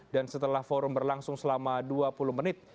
dan setelah forum berlangsung selama dua puluh menit